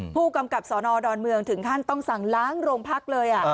ผู้กำกับสนดอนเมืองถึงขั้นต้องสั่งล้างโรงพักเลย